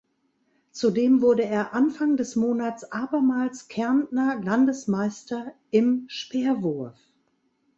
Zudem wurde er Anfang des Monats abermals Kärntner Landesmeister im Speerwurf.